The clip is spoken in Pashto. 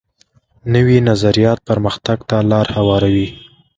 نوی نظریات پرمختګ ته لار هواروي